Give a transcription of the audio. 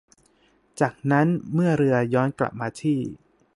จากนั้นเมื่อเรือย้อนกลับมาที่